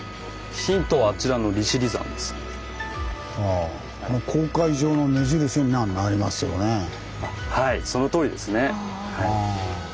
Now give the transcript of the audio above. ああはいそのとおりですね。